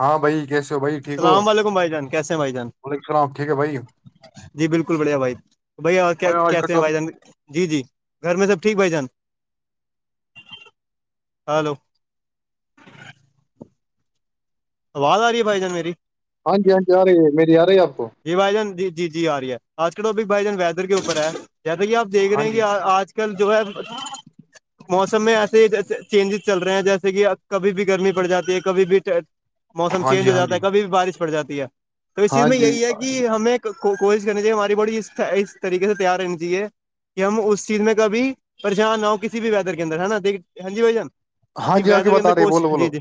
ہاں بھائی کیسے ہو بھائی السلام علیکم بھائی جان کیسے ہیں بھائی جان ولیکم اسلام ٹھیک ہے بھائی جی بالکل بڑھیا بھائی بھیا اور کیا میں آج کا کیسے ہیں بھائی ٹاپک جان جی جی گھر میں سب ٹھیک بھائی جان ہلو آواز آ رہی ہے بھائی جان میری ہاں جی ہاں جی آ رہی ہے میری آ رہی ہے آپ کو جی بھائی جان جی جی آ رہی ہے آج کا ٹاپک بھائی جان ویدر کے اوپر ہے جیسا کہ آپ دیکھ ہاں رہے ہیں جی کہ آج کل جو ہے موسم میں ایسے چینجز چل رہے ہیں جیسے کہ کبھی بھی گرمی پڑ جاتی ہے کبھی بھی موسم ہاں چینج جی ہو ہاں جاتا جی ہے کبھی بھی بارش پڑ جاتی ہے تو اس چیز ہاں میں جی یہی ہے کہ ہمیں کوشش کرنی چاہی ہماری باڈی اس طریقے سے تیار رہنی چاہے کہ ہم اس چیز میں کبھی پریشان نہ ہو کسی بھی ویدر کے اندر ہے نا ہاں جی بھائی جان ہاں کہ جی آ گی ویدر کے بات اندر آ رہی ہے کوچ بولو جی بولو جی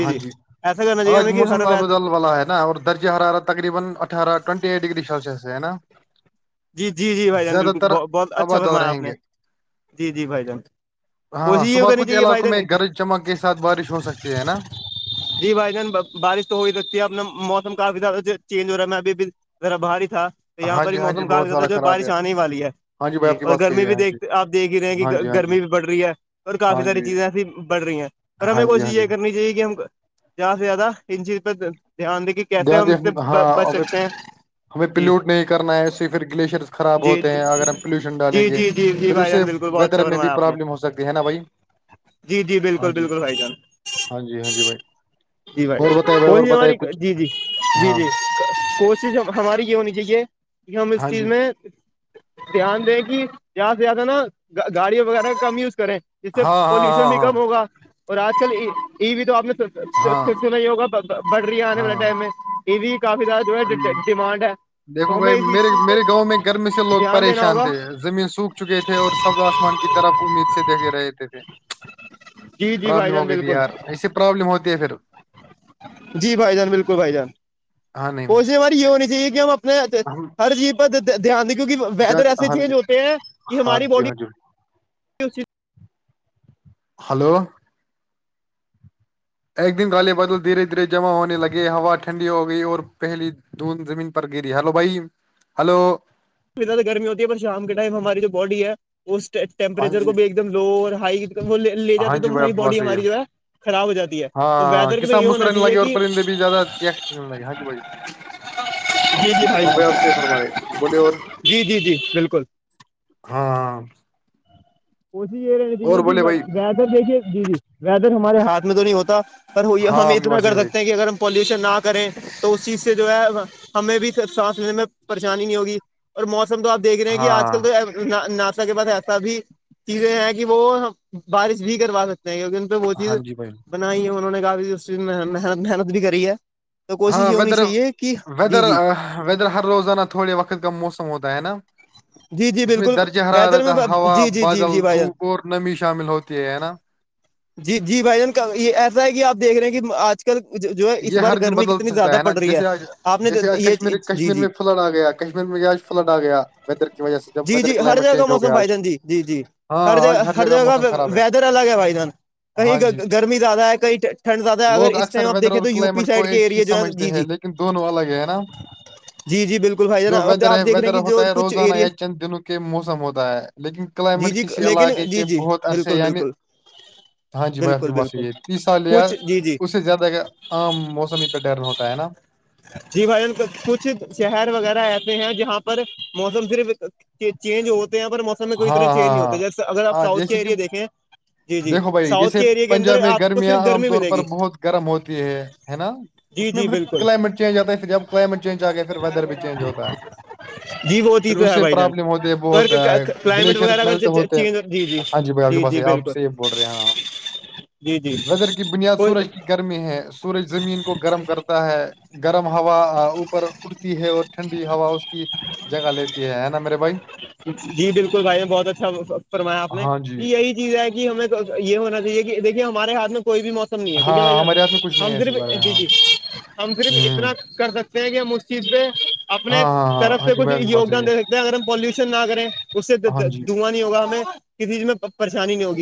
ہاں جی ایسا کرنا چاہیے آج ہمیں کہ ہر موسم ویدر آلبدل والا ہے نا اور درج حرارا تقریبا اٹھارہ ٹئنٹی ایٹ ڈگری سلشس سے ہے نا جی جی جی بھائی جان زیادہ بالکل تر بہت اچھا آبادال فرمایا آپ رہیں نے گے جی جی بھائی جان کوشش ہاں یہ صبح کرنی کچھ چاہیے بھائی علاقوں میں جان گر چمک کے ساتھ بارش ہو سکتی ہے نا جی بھائی جان بارش تو ہو ہی سکتی ہے اپنا موسم کافی زیادہ چینج ہو رہا ہے میں ابھی بھی ذرا بہر ہی تھا تو یہاں ہاں پر ہی جی ہاں جی موسم بہت کافیا تھا سارا جو خراب ہے بارش آنے والی ہے ہاں بھائی جی آپ کی اور بات صحیح گرمی ہے بھی ہاں جی دیکھ آپ دیکھ ہی رہے ہیں ہاں کہ جی ہاں جی گرمی بھی بڑھ رہی ہے اور کافی ہاں ساری جی چیزیں ایسی بڑھ رہی ہیں پر ہاں ہمیں جی کوشش ہاں جی یہ کرنی چاہیے کہ ہم زیادہ سے زیادہ ان چیز پہ دھیان دے کہ کیسے دھیان ہم اس سے دے۔ ہاں بچ ابھی سکتے ہیں ہمیں جی پلیوٹ نہیں کرنا ہے اسے پھر گلیشیئرس خراب جی ہوتے جی ہیں اگر ہم پلیوشن ڈالیں جی گے جی جی جی پھر بھائی اسے جان بالکل بہت اچھا ویدر میں بھی فرمایا آپ نے پرابلم ہو سکتی ہے نا بھائی جی جی بالکل بالکل بھائی جان ہاں جی ہاں جی بھائی جی بھائی جان اور بتائے بھائی اور کوئی بتائے ہماری کچھ جی جی جی ہاں جی کوشش ہماری یہ ہونی چاہیے کہ ہم اس ہاں چیز جی میں دھیان دیں کہ جہاں سے زیادہ نا گاڑی وغیرہ کا کم یوز کریں جسے ہاں پولوشن ہاں بھی ہاں کم ہوگا اور آج کل ای و تو آپ ہاں نے نا وگا بڑھ رہی ہے آنے والے ٹائم میں یہ بھی کافی زیادہ جو ہ ہے ڈیمانڈ ہے دیکھو تو ہمیں بھائی میرے اس چیز میرے گاؤں پہ میں گرمی سے لوگ دھیان دینا پریشان ہوگا تھے زمین سوکھ چکے تھے اور سب آسمان کی طرف امید سے دیکھے رہےتے تھے جی جی بھائی پرابلم جان ہو گئی تھی بالکل یار ایسے پرابلم ہوتی ہے پھر جی بھائی جان بالکل بھائی جان ہاں نہیں کوشش ہماری یہ ہونی چاہیے کہ ہم اپنے ہم ہر چیز دھیان د کیونکہ ویدر ایسے ہاں چینج ہوتے ہیں کہ ہاں ہماری جی باڈی ہاں جی و [unintelligible] ہلو ایک دن گالے بادل دھیرے دھیرے جمع ہونے لگے ہوا ٹھنڈی ہو گئی اور پہلی دون زمین پر گیری ہلو بھائی ہلو زدہ گرمی ہوتی ہے شام کے ٹائم ہماری جو باڈی ہے اس ہاں ٹیمپریچر جی کو بھی ایک دم لو اور ہائی وہ لے ہاں جاتے ت جی بھائی وہی آپ کی بات باڈی صحیح ہماری جو ہے خراب ہو جاتی ہے تو ہاں ویدر میں کسان یہ ہونا مسکرانے چاہیے لگے اور کہ پرندے بھی زیادہ چیک کرنے لگے ہاں جی بھائی جی جی بھائی صاحب ب مارے بولیے اور جی جی جی بالکل ہاں کوشش یہ رہنی چاہیے اور کہ بولے بھائی ویدر دیکھیے جی جی ویدر ہمارے ہاتھ میں تو نہیں ہوتا پر وہ ہاں ہم آپ کی اتنا بات صحیح کر ہے بھائی سکتے ہیں کہ اگر پالوشن نہ کریں تو اس چیز سے جو ہے ہمیں بھی سانس لینے میں پریشانی نہیں ہوگی اور موسم تو آپ دیکھ رہے ہیں کہ آج ہاں کل تو ناسا کے بعد ایسا بھی چیزیں ہیں کہ وہ بارش بھی کروا سکتے ہیں کیونکہ ان پہ وہہ چیز ہاں جی بھائی بنائی ہے انہوں نے کہا بھی اس محنت محنت بھی کری ہے تو کوشش ہاں یہ ہونی ویدر چاہیے کہ جی ویدر جی ویدر ہر روزانہ تھوڑے وقت کا موسم ہوتا ہے نا جی جی اس میں بالکل درجہ ہرا ویدر میں رہتا ہوا جی جی جی بادل جی بھائی جان دھوپ اور بھی شامل ہوتی ہے نا جی جی بھائی جان یہ ایسا ہے کہ آپ دیکھ رہے ہیں کہ آج کل کل جو ہے اس یہ بار ہر دن گرمی بدل کتنی سکتا زیادہ نا پڑ رہی ہے جیسے آج آپ نے جیسے آج یہ کشمیر جی کشمیر جی میں فلڈ آ گیا کشمیر میں ج آج فلڈ آ گیا ویدر کی وجہ سے جب جی ویدر جی ہر کلائمیٹ جگہ کا چینج ہو موسم گیا آج پائی ج ج جی جی ہاں ہر جگہ آج ہر جگہ موسم خراب ہے ویدر الگ ہے بھائین ہاں جی کہیں گرمی زیادہ ہے کہیں ٹنڈ زیادہ ہے اگر لوگ اس اکثر ٹائم آ ویدر دیکھیں اور تو یو پی کلائمیٹ کو سائڈ کے ایک ہی ایریا جو ہے سمجھتے جی ہیں جی لیکن دونوں الگ ہے ہے نا جی جی بالکل بھائی جان جو اب ویدر آپ ہے دیکھ رہے ویدر ہیں کہ جو ہوتا ہے کچھ روزانہ ایریا یا چند دن کے موسم ہوتا ہے لیکن جی کلائمیٹ جی کسی لیکن علاقے جی کے جی بہت عرصے بالکل یعنی بالکل ہاں جی بھائی آپ کی بالکل بس بالکل یہ تی سا لیا کچھ جی جی اس سے زیادہ عام موسم سم پہ ڈر ہوتا ہے نا جی بھائی جان کچھ شہر وغیرہ ایسے ہیں جہاں پر موسم صرف چینج ہوتے ہیں پر موسم میں کوئی ہاں طرح ہاں چینج نہیں ہاں ہوتا جیسے اگر آپ ہاں ساؤتھ کے جیسے کہ ایریا دیکیں دیکھو بھائی جیسے پنجاب میں کو گرمیاں صرف عام گرمی طور ملے گی پر بہت گرم ہوتی ہے ہے نا جی اس میں جی پھر بالکل کلائمیٹ چینج آتا ہے پھر جب کلائمیٹ چینج آ گیا پھر ویدر بھی چینج ہوتا ہے جی وہ پھر چیز تو اس ہے سے بھائی جان پرابلم ہوتی ہے وہ ہوتا ہے اگر کلائمیٹ گلیشیئرز وغیرہ اگر میلٹ ہوتے ہیں چینج ہاں جی بھائی آپ کے پس آپ بالکل سی بول رہے ہیں ہ جی جی ویدر کی بنیاد سورج کوئی کی گر گ میں ہے سورج زمین کو گرم کرتا ہے گرم ہوا اوپر اٹھتی ہے اور ٹھنڈی ہوا اس کی جگہ لیتی ہے ہے نا میرے بھائی جی بالکل بھائی نے بہت اچھا فرمایا آپ نے جی یہی چیز ہے ہمیں یہ ہونا چاہیے کہ دیکے ہمارے ہاتھ میں کوئی بھی موسم نہیں ہے ہاں ٹھیک ہے ہاں، بھائی ہمارے ہاتھ میں کچھ نہیں ہم ہے اس بارے صرف میں جی ہاں جی ہم صرف ہوں اتنا کر سکتے ہیں کہ ہم اس چیزیں اپنے ہاں ہاں ہاں طرف ہاں سے جی کچھ بھائی آپ کی بات صحیح یوگدان دے سکتے ہیں اگر ہم پلیوش نہ کریں اس سے ہے ہاں جی دھواں نہیں ہوگا ہمیں کسی چیز میں پریشانی نہیں ہوگ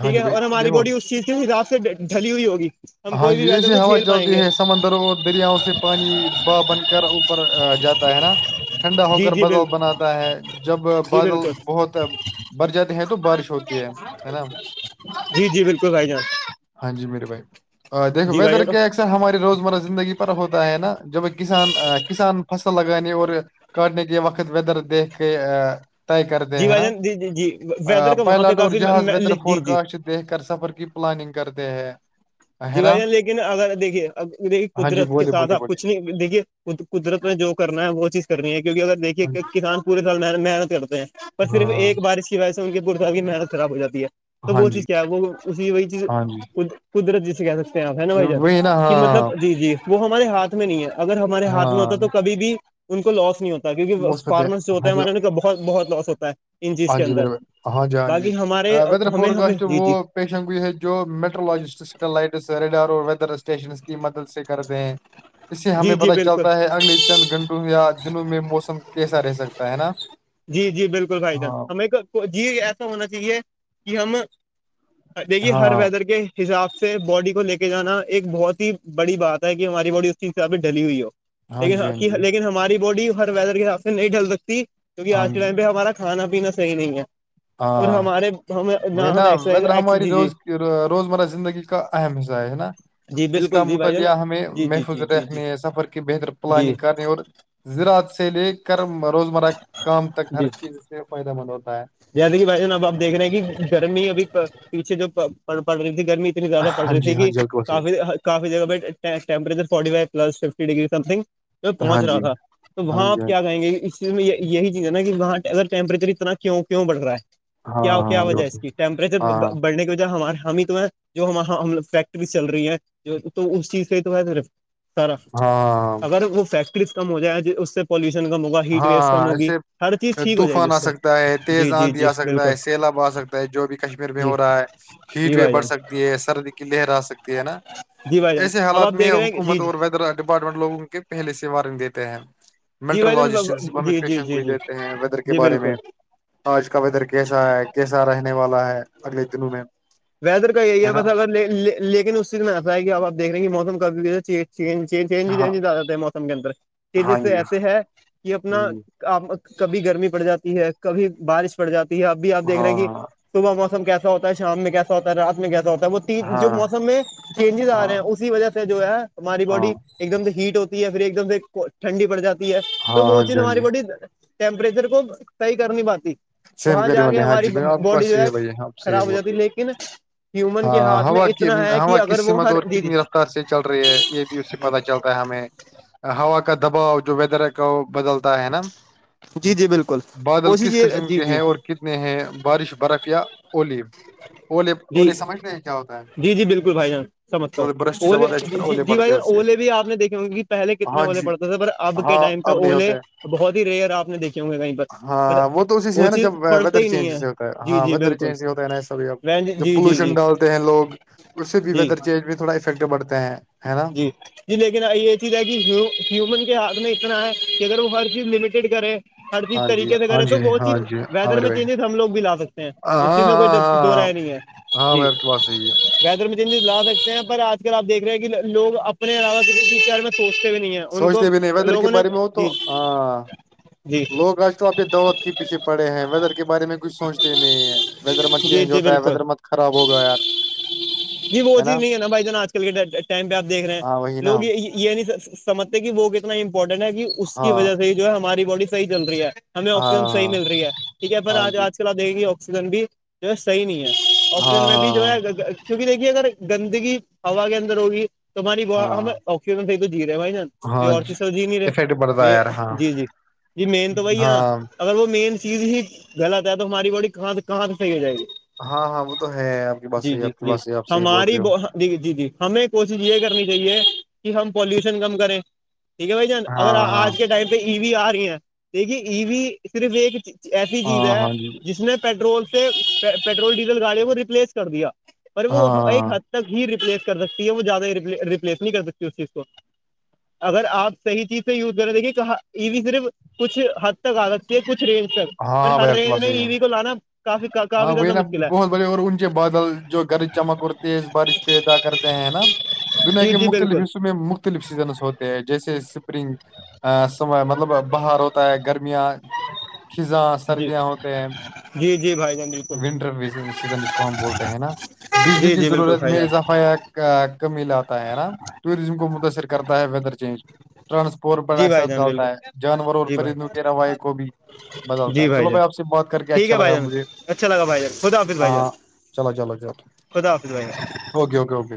ہاں ٹھیک ہے جی بھائی اور ہماری دیکھو باڈی اس چیز کے حساب سے ڈھلی ہوئی ہوگی ہم ہاں کوئی بھی جی ویدر ایسی کو ہوا جھیل پائیں چلتی گے ہے سمندر اور دریاؤں سے پانی با بن کر اوپر جاتا ہے نا ٹھنڈا ہو جی کر جی بادل بالکل بناتا ہے جب جی بادل بالکل بہت بر جاتے ہیں تو بارش ہوتی ہے ہے نا جی جی بالکل بھائی جانب [unintelligible] ہاں جی میرے بھائی دیکھو ویدر جان کیاسر ہماری روزمرہ زندگی [unintelligible] ہوتا ہے نا جب کسان کسان فصل لگانے اور کاٹنے کے وقت ویدر دیکھ کے طے کر د جی ہیں بھائی نا جان جی جی جی ویدر کا وہاں پہ پلاٹ اور کافی جہاز و جی جی [unintelligible] دیکھ کر سفر کی پلاننگ کرتے ہیں ہے جی نا بھائی لیکن اگر دیکھیے ا دیک ہاں جی قدرت کے بولیے ساتھ بولیے آپ بولیے کچھ نہیں دیکھیے [unintelligible] قدرت میں جو کرنا ہے وہ چیز کرنی ہے کیونکہ اگر دیکھیے ہاں کہ جی کسان پے سال محنت کرتے ہیں پر صرف ہاں ایک بارش کی وجہ سے ان کی پےال کی محنت خراب ہو جاتی ہے [unintelligible] تو ہاں وہ جی چیز کیا ہے وہ اسی وہی چیز ہاں جی قدرت جسے کہ سکتے ہیں [unintelligible] آپ ہیں نا بھائی ج وہی نا کہ ہاں مطلب جی جی وہ ہمارے ہاتھ [unintelligible] میں نہیں ہے اگر ہمارے ہاتھ میں ہوتا ہاں تو کبھی بھی ان کو لاس نہیں ہوتا کیونکہ مثبت فارمرس جو ہوتا ہاں ہے جی ہمارے ان کا بہت بہت لاس ہوتا ہے ان چیز ہاں کے جی اندر میرے بھائی، ہاں جی ہاں جی باقی ہمارے ویدر ہمیں ہمیں فکسٹ جی وہ جی پیشنئی ہے جو میٹرالوجسٹ سیٹلائٹس ریڈیار اور ویدر اسٹیشنس کی مدد سے کر د ہیں [unintelligible] اس سے ہمیں جی جی پتہ بالکل چلتا ہے اگلے چند گھنٹوں یا دنوں میں موسم کیسا رہ سکتا ہے نا جی جی بالکل بھائی جان ہاں ہم ایک جی ایسا ہونا چاہیے کہ ہم ا جے گی ہر ہاں ویدر کے [unintelligible] حساب سے باڈی کو لے کے جانا ایک بہت ہی بڑی بات ہے کہ ہماری باڈی اس حساب سے ڈلی ہوئی ہو ہاں جی ہاں لیکن جی لیکن ہماری باڈی ہر ویدر کے حساب سے نہیں ڈھل سکتی کیونکہ ہاں آج کے جی ٹائم پہ ہمارا کھانا پینا صحیح نہیں ہے اور ہاں ہمارے ہم وہ نا ویدر ہمرز ہماری جی جی روز [unintelligible] روزمرہ زندگی کا اہم حصہ ہے نا جی اس کا بالکل جی بھائی جان مطالعہ ہمیں جی جی محفوظ جی جی جی رکھنے سفر کی بہتر جی پلاننگ کرنے اور زراعت سے لے کر روزمرہ کام تک ہر چیز سے فائدہ مند ہوتا ہے جیادی کی ب اب آ دیکھ رہے ہیں کہ گرمی اب پیچھے جو پڑ رہی تھی گرمی [unintelligible] اتنی زیادہ پڑ ہاں رہی تھی جی ہاں کہ جی القسی کافی کافی جگہ بٹمپریچر فورٹی فولس ففٹی ڈگری سم تھنگ ہاں پہنچ رہا جی تھا تو ہاں وہاں جی آپ ہاں کیا کہیں گے اس یہی چیز ہے نا کہ وہاں اگر ٹیمپریچر اتنا [unintelligible] کیوں کیوں بڑھ رہا ہے ہاں کیا کیا ہاں وجہ القسی اس کی ٹیمپریچر ہاں بڑھنے کی وجہ ہمار ہم ہی تو ہے جو ہماں ہموگ فیکٹری چل رہی ہے تو اس چیز سے جو ہےر [unintelligible] سرا ہاں اگر وہ فیکٹریز کم ہو جائےیں اس سے پولوشن کم ہوگا ہیٹ ویوز کم ہاں ہوگی ایسے ہر چیز ٹھیک ہو جائے گی طوفان آ اس سے سکتا ہے جی تیز جی آندھی جی آ سکتا بالکل ہے سیلاب آ سکتا ہے جو بھی کشمیر میں جی ہو رہا ہے جی ہیٹ وی بھائی بڑھ جان سکتی ہے سردی لہرا سکتی ہے نا جی بھائی جان ایسے اب آپ حالات میں دیکھ رہے ہیں کہ جی حکومت اور [unintelligible] ور ڈپارٹمنٹ لوگوں کے پہل سے وارنٹ دیتے ہیں [unintelligible] جی بھائی جان لج جی جی پیشنک جی بھی جی دیتے ہیں ویدر کے جی بارے میں بالکل [unintelligible] ہ اس کا بدر کیسا ہے کیسا رہنے والا ہے [unintelligible] دنوں میں ویدر کا یہی ہے بس اگر لیکن اس اتنا ایسا ہے کہ اپ دیکھیں گ موم کبھیہ چین [unintelligible] ہاں چجینجینج آ جات ہے موسم کے اندر ہاں چینجز جی ایسے ہے کہ اپنا [unintelligible] کبھی گرمی پڑ جاتی ہے کبھی بارش پڑ جاتی ہے اب بھی آپ دیکھ ہاں رہے ہیں کہ ہاں صبح مو کیسا ہوتا ہے شام میں کیسا ہوتا ہے رات میں کیسا ہوتا ہے وہ جو ہاں ہاں موسم میں چینجیز آ رہے ہاں ہیں اس اسی وجہ سے جو ہے ہماری ہاں باڈی ایک دم ہیٹ ہوتی ہے پھر ایک دم سے ٹھنڈی پڑ جاتی ہے تو وہ ہاں چیز جی ہاں ہماری جی باڈی ٹیمپریچر کو صحیح کر نہیں پاتی سیم وہاں کرے جا کے والے ہاں ہماری جی بھائی آپ باڈی بس جو صحیح ہے بھائی آپ صحیح خراب ہو بول جاتی رہے لیکن ہیومن کے ہاں ہاتھ میں ہوا اتنا ہے کہ ہوا کس اگر سم وہ ہر دور جی جی کتنی رفتار سے چل رہی ہے یہ بھی اس سے پت چلتا ہے ہمیں [unintelligible] ہا کا دباؤ جو ویدر کا بدل [unintelligible] ہے نا جی جی بالکل بادل کوشش کس یہ قسم جی کے جی ہیں اور کیا [unintelligible] کتنے ہیں بارش برف یا اولی الی [unintelligible] جی جی جی بالکل بھائی جان سمجھتا ہے ہوں برش جب اے ہوتا ہے پھر اولے ج جی بھائی پڑتے ہیں جان اس سے اولے بھی آپ نے دیکھی [unintelligible] کیکہ پہے کتنے ہاں اے جی پڑتے تھے اب کے ہاں ٹائم پہ اب نہیں اوے ہوتے بہت ہی ریئر آپ نے دیکے ہوں گے کہیں پر پر ہاں وہ تو اسی سے ہے نا چیز جب پڑھتے ویدر ہی چینج نہیں سے ہوتا ہے ہاں ویدر چینج سے ہوتا ہے نا ایسا بھی اب وندی [unintelligible] جب پولوشن ڈالتے ہیں لوگ اس سے بھی جی ویدر چینج میں تھوڑا افیکٹ بڑھتے ہیں نا جی لیکن یہ چیز ہے کہ ہیومن کے ہاتھ میں اتنا ہے کہ اگر وہ ہر چیز لمیٹیڈ کرے ہر چیز ہاں جی طریقے سے ا ہاں ہے تو جی ب چیز ہاں جی ہاں ویدر میرے میں بھائی چینجز ہم لوگ بھی لا سکتے ہیں ہاں اس چیز ہاں میں کوئی دو ہاں رائے نہیں ہے ہاں ب جی آپ کی پاس یہی ہے ویدر میں چینز لا سکتے ہیں پر آج کل آ دیکھ رہے ہیں کہ لوگ اپنے علاوہ کسی شر میں سوچتے بھی نہیں ہیں ان کو سوچتے بھی نہیں ویدر کے لوگوں نے بارے میں ہو تو جی ہاں جی لوگ آج کل اپنے دولت کے پیچھے پڑے ہیں ویدر کے بارے میں کچھ سوچتے نہیں ہے ویدر مت جی چینج جی ہوتا ہے بالکل ویدر مت خراب ہوگا یار جی وہ چیز نہیں ہے نا بھائی جو نا آج کل کے پہ آپ دیکھ رہے ہیں ہاں وہی نا لوگ یہ نہیں سمجھتے کہ وہ کتنا امپورٹنٹ ہے کہ اس کی ہاں وجہ سے ہی ہماری باڈی صیح چل رہ ہے ہمیں آکسیجن ہاں صحی ہاں مل رہی ہے ٹھیک ہے ہاں آج جی آج کے دے گی آکسیجن بھی جو ہے صحیح نہیں ہے ہاں آکسیجن میں بھی جو ہے ہاں کیونکہ دیکھیے اگر گندگی ہوا کے اندر ہوگی تو ہماری ہاں ہم آکسیجن ص تو جی رہے ہیں بھائی نا ہاں کو ہاں اور جی چیز سبزی نہیں افیکٹ پڑتا ہے رہے یار ہاں جی جی جی مین تو وہی ہے نا ہاں اگر وہ مین چیز ہی غلط ہے تو ہماری باڈی کہاں سے کہاں سے صحیح ہو جائے گی ہاں ہاں وہ تو ہے آپ کی بس جی سے ہی جی آپ کی بات ہی آپ سے ہی بول ہماری رہے ہو جی جی جی جی ہمیں کوشش یہ کرنی چاہیے کہ ہم پولوشن کم کریں ٹھیک ہے بھائی جان اگر ہاں ہاں آج کے ٹائم پہ ای وی آ رہی ہیں ٹیکے ای وی صرف ایک ایسی چیز ہاں ہے ہاں جی جس نے پیٹرول سے پیٹرول ڈیزل گاڑیوں کو ریپلیس کر دیا پر ہاں وہ ایک ہاں حد تک ہی ریپلیس کر سکتے وہ زیادہ ریپلیس نہیں کر سکتی اس چیز کو اگر آپ صحی چیز یوز کر رہے دیکے کہ یہ بھی صرف کچھ حد تک آ سکتی ہے کچھ رینج تک ہاں اور ہاں ہر بھائی آپ کی رینج بات میں صحیح ای ہے وی کو لانا کافی ہاں کافی وہ زیادہ نا مشکل ہے بہت بڑھیا اور اونچے بادل جو گر چمک اور تیز بارش پہیدا کر نا دنیا جی کے جی مختلف بالکل حصوں میں مختلف سیزنس ہوتے ہیں جیسے سپرنگ ا سم مطلب بہار ہوتا ہے گرمیاں خزاں جی سردیاں ہوتے ہیں جی جی بھائی جان بالکل ونٹر و سیزن جس کو ہم بولتے ہیں نا بجلی جی کی جی بالکل ضرورت بھائی میں جان اضافا کمی لاتا ہے نا ٹوریزم کو متاثر کرتا ہے ویدر چینج ٹرانسپورٹ پر جی اثر بھائی جان بالکل ڈالتا ہے جانور اور جی پرند بھائی وغیرہ وائی کو بھی بدلتا جی ہے چلو بھائی جان آپ سے بات کر کے ٹھیک اچھا ہے بھائی لگا جان مجھے اچھا لگا بھائی ج خدا حافظ بھائی جان ہاں چلو چلو چلو خدا حافظ بھائی ج اوکے اکے اوکے